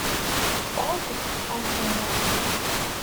Teffɣeḍ-d seg texxamt-nni.